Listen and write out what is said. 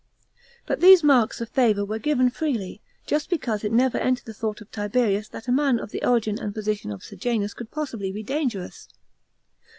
But these marks of favour were given freely, just because it never entered the thought of Tiberius that a man of the origin and position of Sejanus could possibly be dangerous.